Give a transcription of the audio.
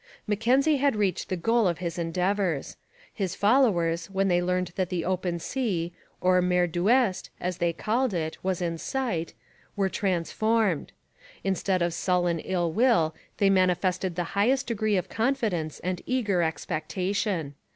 Mackenzie had reached the goal of his endeavours. His followers, when they learned that the open sea, the mer d'ouest as they called it, was in sight, were transformed; instead of sullen ill will they manifested the highest degree of confidence and eager expectation.